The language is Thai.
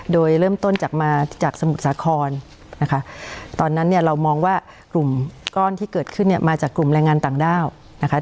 โดยเริ่มต้นจากมาจากสมุทรสาครนะคะตอนนั้นเนี่ยเรามองว่ากลุ่มก้อนที่เกิดขึ้นเนี่ยมาจากกลุ่มแรงงานต่างด้าวนะคะ